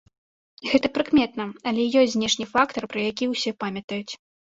Гэта прыкметна, але ёсць знешні фактар, пра які ўсе памятаюць.